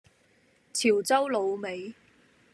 潮州滷味